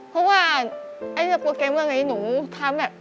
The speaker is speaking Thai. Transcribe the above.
เพราะว่าไอ้โปรแกรมมือกันที่หนูทำแบบ